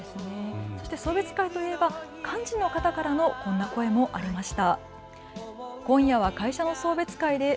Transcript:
送別会といえば幹事の方からのこんな声もありました。